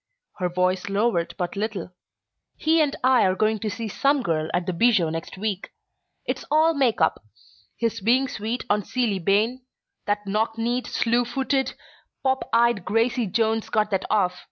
Her voice lowered but little. "He and I are going to see 'Some Girl' at the Bijou next week. It's all make up his being sweet on Ceeley Bayne! That knock kneed, slew footed, pop eyed Gracie Jones got that off.